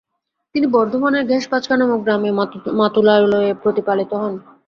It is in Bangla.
তিনি বর্ধমানের 'ঘোষপাঁচকা' নামক গ্রামে মাতুলালয়ে প্রতিপালিত হন।